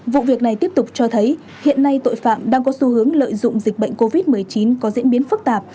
vụ việc này tiếp tục cho thấy hiện nay tội phạm đang có xu hướng lợi dụng dịch bệnh covid một mươi chín có diễn biến phức tạp